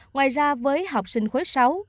ngoài ra với học sinh khối sáu bảy tám